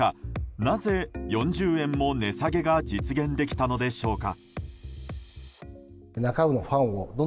なぜ４０円も値下げが実現できたのでしょうか。